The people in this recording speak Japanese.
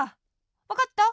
わかった？